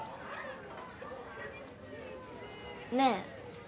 ねえ？